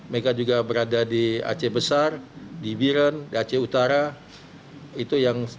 mereka juga berada di aceh besar di biren di aceh udun di banda aceh